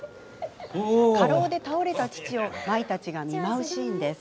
過労で倒れた父を舞たちが見舞うシーンです。